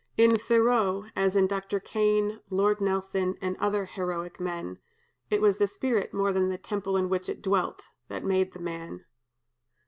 In Thoreau, as in Dr. Kane, Lord Nelson, and other heroic men, it was the spirit more than the temple in which it dwelt, that made the man."